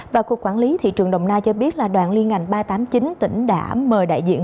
và cục quản lý thị trường đồng nai cho biết là đoàn liên ngành ba trăm tám mươi chín tỉnh đã mời đại diện